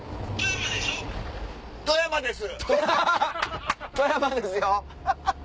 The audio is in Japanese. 富山ですよ。